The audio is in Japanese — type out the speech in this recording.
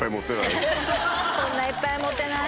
「こんないっぱい持てない」。